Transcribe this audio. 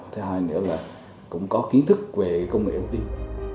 thế hay nữa là cũng có kiến thức về công nghệ thông tin